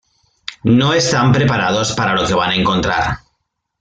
No están preparados para lo que van a encontrar.